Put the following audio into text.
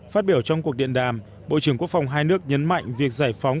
phát biểu trong cuộc điện đàm bộ trưởng quốc phòng hai nước nhấn mạnh việc giải phóng